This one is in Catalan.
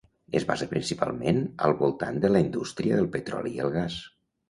Es basa principalment al voltant de la indústria del petroli i el gas.